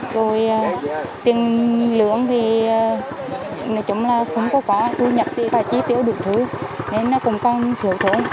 rồi tiền lượng thì nói chung là không có có tôi nhập đi và chi tiểu được thứ nên cũng còn hiểu thôi